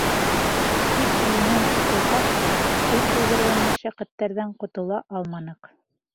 Тик үҙенән ҡотолһаҡ та, ул тыуҙырған мәшәҡәттәрҙән ҡотола алманыҡ.